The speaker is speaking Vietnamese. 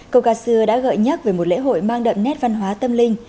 cầu cà sưa đã gợi nhắc về một lễ hội mang đậm nét văn hóa tâm linh